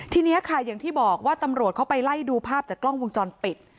ทีนี้ค่ะอย่างที่บอกว่าตำรวจเข้าไปไล่ดูภาพจากกล้องวงจรปิด